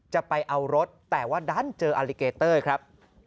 จะไปเอารถแต่ว่าดันเจออลิเกเตอร์ครับ